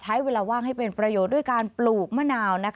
ใช้เวลาว่างให้เป็นประโยชน์ด้วยการปลูกมะนาว